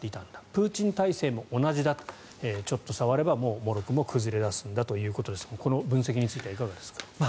プーチン体制も同じだとちょっと触れば、もろくも崩れだすんだということですがこの分析についてはいかがですか。